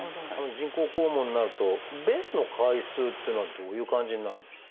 人工肛門になると便の回数っていうのはどういう感じになるんでしょう？